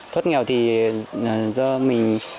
thoát nghèo thì do mình